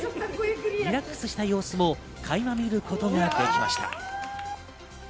リラックスした様子もかいま見ることができました。